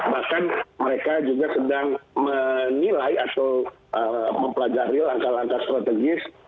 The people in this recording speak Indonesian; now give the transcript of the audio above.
bahkan mereka juga sedang menilai atau mempelajari langkah langkah strategis